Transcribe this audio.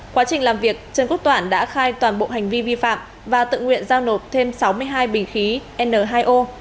quá trình làm việc trần quốc toản đã khai toàn bộ hành vi vi phạm và tự nguyện giao nộp thêm sáu mươi hai bình khí n hai o